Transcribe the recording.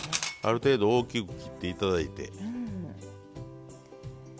ある程度大きく切って頂いて。